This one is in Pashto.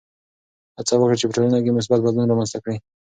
هڅه وکړه چې په ټولنه کې مثبت بدلون رامنځته کړې.